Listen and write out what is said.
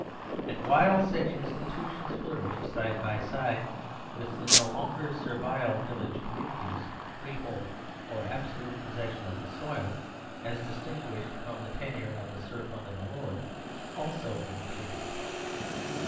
And while such institutions flourished side by side with the no longer servile village communities, freehold or absolute possession of the soil, as distinguished from the tenure of the serf under the lord, also increased.